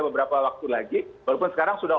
beberapa waktu lagi walaupun sekarang sudah